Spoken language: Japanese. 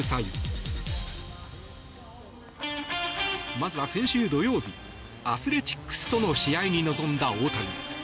まずは先週土曜日アスレチックスとの試合に臨んだ大谷。